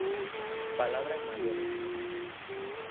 Palabras maiores.